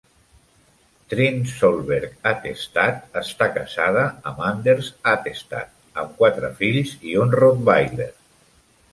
Trine Solberg-Hattestad està casada amb Anders Hattestad, amb quatre fills i un rottweiler.